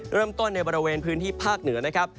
เริ่มต้นในบริเวณพื้นที่ภาคเหนือนะครับ